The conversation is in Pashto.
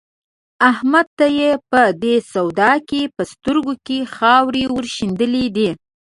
احمد ته يې په دې سودا کې په سترګو کې خاورې ور شيندلې دي.